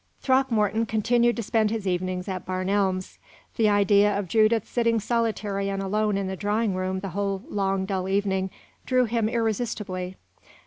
Throckmorton continued to spend his evenings at Barn Elms. The idea of Judith sitting solitary and alone in the drawing room the whole long, dull evening, drew him irresistibly.